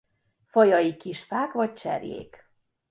Fajai kis fák vagy cserjék.